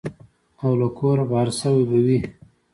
او له کوره بهر شوي به وي.